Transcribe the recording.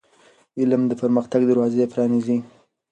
علم د پرمختګ دروازې پرانیزي.